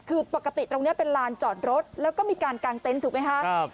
คือปกติตรงนี้เป็นลานจอดรถแล้วก็มีการกางเต็นต์ถูกไหมคะ